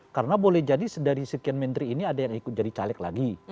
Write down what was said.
karena boleh jadi dari sekian menteri ini ada yang ikut jadi caleg lagi